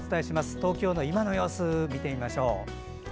東京の今の様子、見てみましょう。